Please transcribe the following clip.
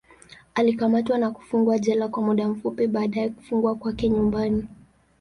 Alikamatwa na kufungwa jela kwa muda fupi, baadaye kufungwa kwake nyumbani.